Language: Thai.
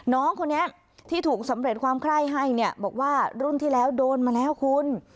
น้องคนนี้ที่ถูกสำเร็จความไคร้ให้เนี่ยบอกว่ารุ่นที่แล้วโดนมาแล้วคุณ